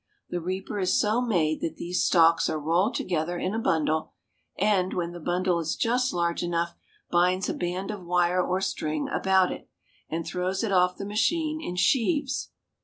The reaper is so made that these stalks are rolled together in a bundle, and, when the bundle is just large enough, binds a band of wire or string about it, and throws it off the machine in sheaves.